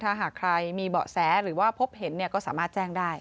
ถ้าหากใครมีเบาะแสหรือว่าพบเห็นก็สามารถแจ้งได้